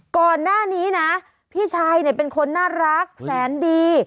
ก่อนหน้านี้นะพี่ชายเป็นคนน่ารักแสนดี